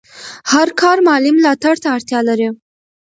هر کار مالي ملاتړ ته اړتیا لري.